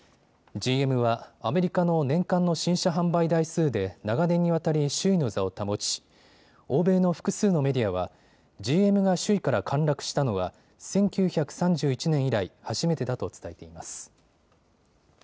ＧＭはアメリカの年間の新車販売台数で長年にわたり首位の座を保ち、欧米の複数のメディアはＧＭが首位から陥落したのは１９３１年以来、初めてだと伝えています。